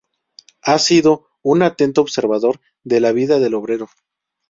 Ha sido un atento observador de la vida del obrero.